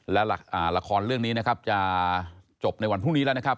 และละครเรื่องนี้นะครับจะจบในวันพรุ่งนี้แล้วนะครับ